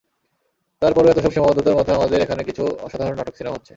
তার পরও এতসব সীমাবদ্ধতার মধ্যে আমাদের এখানে কিছু অসাধারণ নাটক-সিনেমা হচ্ছে।